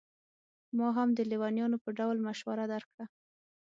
ما هم د لېونیانو په ډول مشوره درکړه.